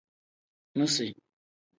Misi.